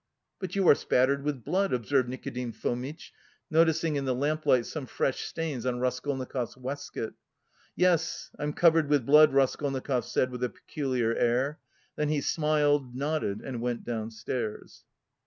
"But you are spattered with blood," observed Nikodim Fomitch, noticing in the lamplight some fresh stains on Raskolnikov's waistcoat. "Yes... I'm covered with blood," Raskolnikov said with a peculiar air; then he smiled, nodded and went downstairs.